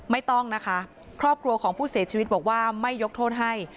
ไม่ต้องนะคะครอบครัวของผู้เสียชีวิตบอกว่าไม่ยกโทษให้